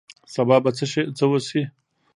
سبا به څه وشي